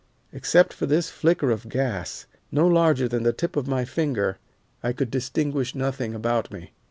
Except for this flicker of gas, no larger than the tip of my finger, I could distinguish nothing about me.